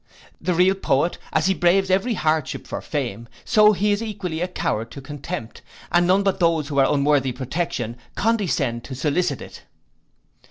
The real poet, as he braves every hardship for fame, so he is equally a coward to contempt, and none but those who are unworthy protection condescend to solicit it.